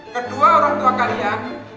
kedua orang tua kalian